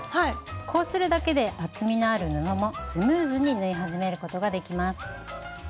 こうするだけで厚みのある布もスムーズに縫い始めることができます。